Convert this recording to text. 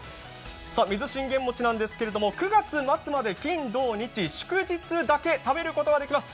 水信玄餅なんですけれども９月末まで金土日祝日だけ食べることができます。